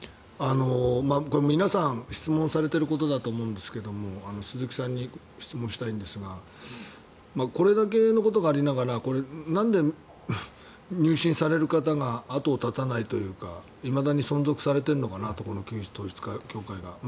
皆さん質問されていることだと思うんですが鈴木さんに質問したいんですがこれだけのことがありながらなんで入信される方が後を絶たないというかいまだに存続されているのかなってこの旧統一教会が。